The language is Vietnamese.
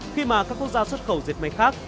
khi mà các quốc gia xuất khẩu dệt may khác